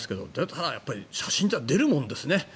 ただ、写真ってのは出るもんですね。